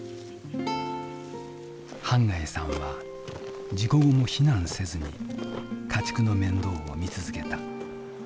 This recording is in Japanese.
半谷さんは事故後も避難せずに家畜の面倒を見続けた。